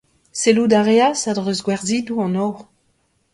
Sellout a reas a-dreuz gwerzhidoù an nor.